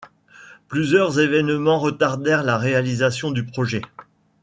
Plusieurs évènements retardèrent la réalisation du projet.